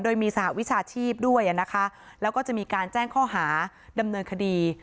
โดยมีสหวิชาชีพด้วยนะคะแล้วก็จะมีการแจ้งข้อหาดำเนินคดี